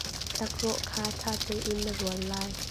Tlakrawh kha ṭha tein na rual lai.